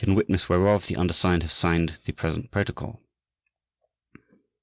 IN WITNESS WHEREOF the Undersigned have signed the present Protocol.